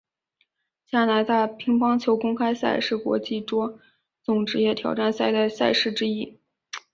加拿大乒乓球公开赛是国际桌总职业挑战赛的赛事之一。